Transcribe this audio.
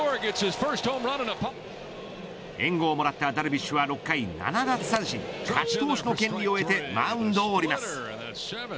援護をもらったダルビッシュは６回７奪三振勝ち投手の権利を得てマウンドを降ります。